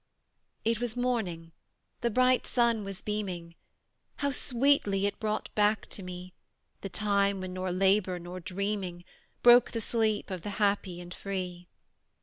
It was morning: the bright sun was beaming; How sweetly it brought back to me The time when nor labour nor dreaming Broke the sleep of the happy and free!